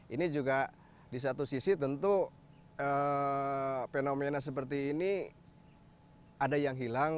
ini juga di satu sisi tentu fenomena seperti ini ada yang hilang